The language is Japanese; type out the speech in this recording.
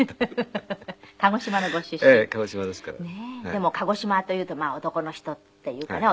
でも鹿児島というと男の人っていうかね